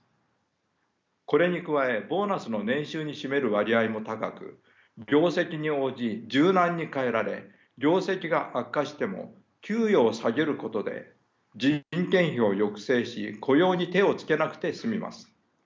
これに加えボーナスの年収に占める割合も高く業績に応じ柔軟に変えられ業績が悪化しても給与を下げることで人件費を抑制し雇用に手を付けなくて済みます。